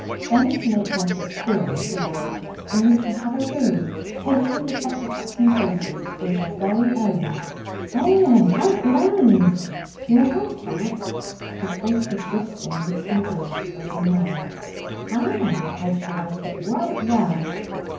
Then, to make matters clearer, he added: 'and you shall have a room papered with buttercups and daisies for your very own.' 'Eh! how grand!' 'You'll like that?' His voice was wistful in its eagerness for a denial. 'Ah! I shall like it right well.'